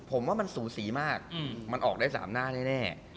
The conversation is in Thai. ผมว่ามันสูสีมากมันออกได้๓หน้าแน่